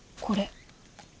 これ。